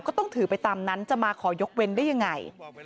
ก็ต้องถือไปตามนั้นจะมาขอยกเว้นได้ยังไง